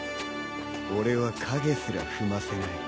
俺は影すら踏ませない。